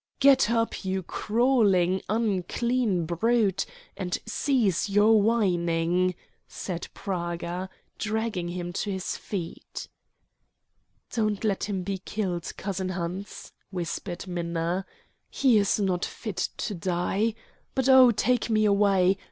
"Get up, you crawling, unclean brute, and cease your whining," said Praga, dragging him to his feet. "Don't let him be killed, cousin Hans," whispered Minna. "He is not fit to die. But, oh, take me away.